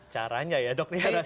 caranya ya dok ya rasional